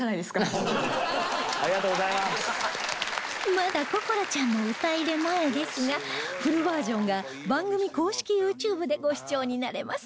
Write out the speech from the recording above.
まだ心愛ちゃんの歌入れ前ですがフルバージョンが番組公式 ＹｏｕＴｕｂｅ でご視聴になれます。